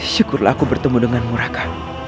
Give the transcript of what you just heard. syukurlah aku bertemu denganmu raka